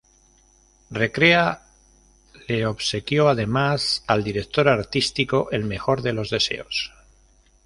Recrea le obsequió además al director artístico, El Mejor de los Deseos.